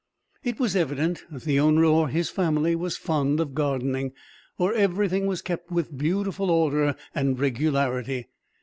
It was evident that the owner or his family was fond of gardening, for everything was kept with beautiful order and regularity.